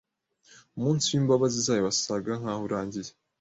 Umunsi w'imbabazi zayo wasaga naho urangiye